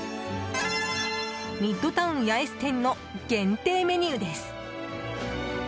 ミッドタウン八重洲店の限定メニューです。